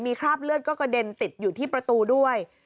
คราบเลือดก็กระเด็นติดอยู่ที่ประตูด้วย